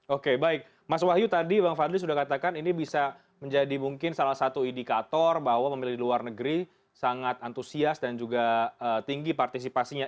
oke baik mas wahyu tadi bang fadli sudah katakan ini bisa menjadi mungkin salah satu indikator bahwa pemilih di luar negeri sangat antusias dan juga tinggi partisipasinya